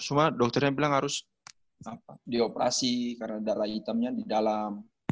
cuma dokternya bilang harus dioperasi karena darah hitamnya di dalam